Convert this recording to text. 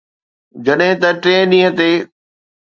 جڏهن ته ٽئين ڏينهن تي